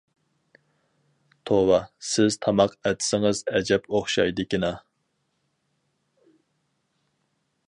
توۋا، سىز تاماق ئەتسىڭىز ئەجەب ئوخشايدىكىنا!